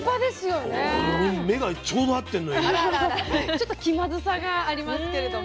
ちょっと気まずさがありますけれども。